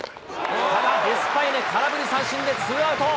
デスパイネ、空振り三振でツーアウト。